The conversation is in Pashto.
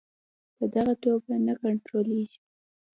په دغه توګه نه کنټرولیږي.